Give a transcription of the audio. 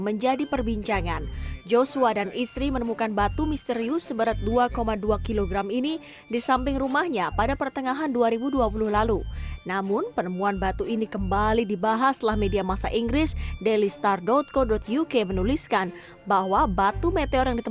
nah mungkin meteor